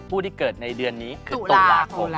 ผู้ที่เกิดในเดือนนี้คือตุลาคม